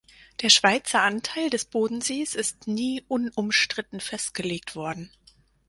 Der Schweizer Anteil des Bodensees ist nie unumstritten festgelegt worden.